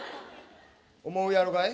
思うやろがい？